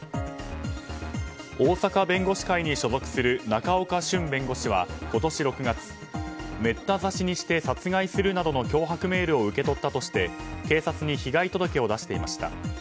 大阪弁護士会に所属する仲岡しゅん弁護士は今年６月メッタ刺しにして殺害するなどの脅迫メールを受け取ったとして警察に被害届を出していました。